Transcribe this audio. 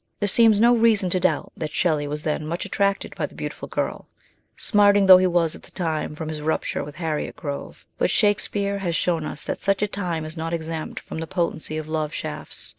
There seems no reason to doubt that Shelley was then much attracted by the beautiful girl, smarting though he was at the time from his rupture with Harriet Grove; but Shake speare has shown us that such a time is not exempt from the potency of love shafts.